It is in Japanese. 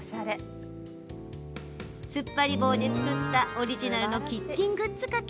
つっぱり棒で作ったオリジナルのキッチングッズ掛け。